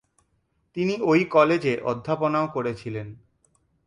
তিনি ঐ কলেজে অধ্যাপনাও করেছিলেন।